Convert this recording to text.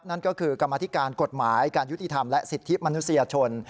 นั่นก็คือกรรมธิการกฎหมายการยุติธรรมและสิทธิมนุษยชน